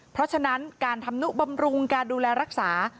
เพราะฉะนั้นการทำนุบำรุงการดูแลรักษา